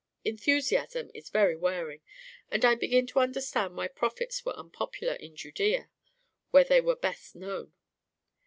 Enthusiasm is very wearing; and I begin to understand why prophets were unpopular in Judæa, where they were best known.